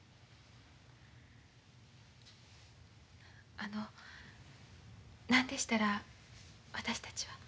あのなんでしたら私たちは。